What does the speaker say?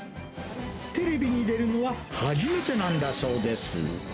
テレビに出るのは初めてなんだそうです。